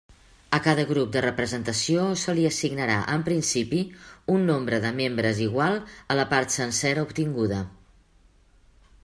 A cada grup de representació se li assignarà, en principi, un nombre de membres igual a la part sencera obtinguda.